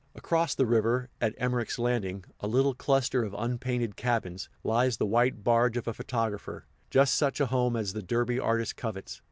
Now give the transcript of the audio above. Across the river, at Emmerick's Landing, a little cluster of unpainted cabins, lies the white barge of a photographer, just such a home as the Derby artist covets.